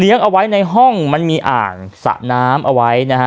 เอาไว้ในห้องมันมีอ่างสะน้ำเอาไว้นะฮะ